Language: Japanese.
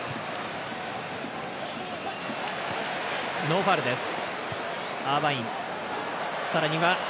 ノーファウルです。